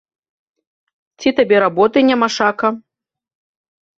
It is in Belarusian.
Ці табе работы нямашака?!